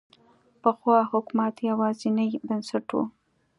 پخوا حکومت یوازینی بنسټ و.